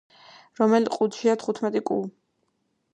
რომელ ყუთშია თხუთმეტი კუ?